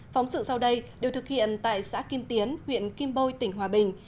phóng sự sau đây đều thực hiện tại xã kim tiến huyện kim bôi tỉnh hòa bình